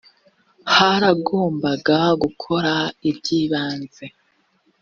haragombaga gukora ibyibanze